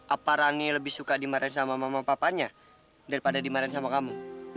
apa rani lebih suka dimarahi sama mama papanya daripada dimarahi sama kamu